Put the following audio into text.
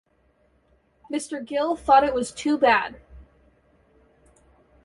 Mr. Gill thought it was too bad.